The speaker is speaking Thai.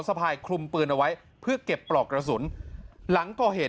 สะพายคลุมปืนเอาไว้เพื่อเก็บปลอกกระสุนหลังก่อเหตุ